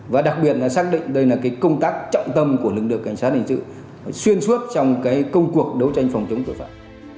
và đặc biệt là xác định đây là công tác trọng tâm của lực lượng cảnh sát hình sự xuyên suốt trong công cuộc đấu tranh phòng chống tội phạm